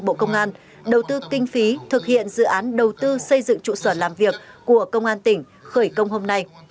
bộ công an đầu tư kinh phí thực hiện dự án đầu tư xây dựng trụ sở làm việc của công an tỉnh khởi công hôm nay